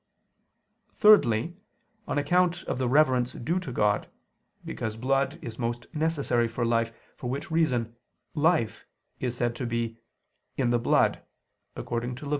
Thirdly, on account of the reverence due to God: because blood is most necessary for life, for which reason "life" is said to be "in the blood" (Lev.